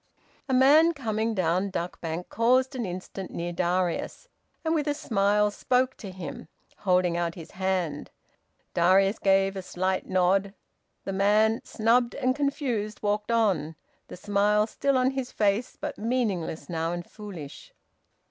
A man coming down Duck Bank paused an instant near Darius, and with a smile spoke to him, holding out his hand. Darius gave a slight nod. The man, snubbed and confused, walked on, the smile still on his face, but meaningless now, and foolish.